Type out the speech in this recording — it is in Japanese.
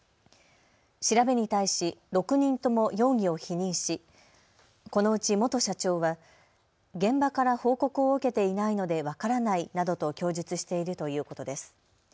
調べに対し６人とも容疑を否認しこのうち元社長は現場から報告を受けていないので分からないなどと供述しているということです。